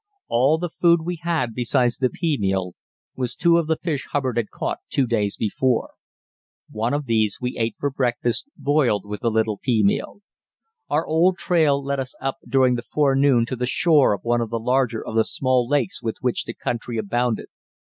All the food we had besides the pea meal was two of the fish Hubbard had caught two days before. One of these we ate for breakfast, boiled with a little pea meal. Our old trail led us up during the forenoon to the shore of one of the larger of the small lakes with which the country abounded.